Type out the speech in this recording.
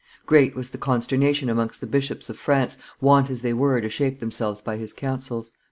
Great was the consternation amongst the bishops of France, wont as they were to shape themselves by his counsels.